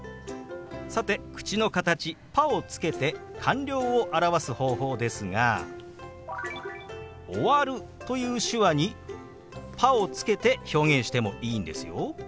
さて口の形「パ」をつけて完了を表す方法ですが「終わる」という手話に「パ」をつけて表現してもいいんですよ。